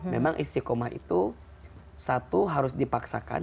memang istiqomah itu satu harus dipaksakan